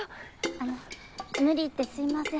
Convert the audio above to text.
あの無理言ってすいません。